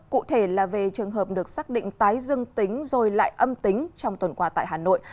cụ thể là về trường hợp được xác định tái dương tính rồi lại âm tính trong tuần qua tại hà nội